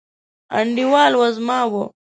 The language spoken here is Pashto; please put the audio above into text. انډیوال وزمه و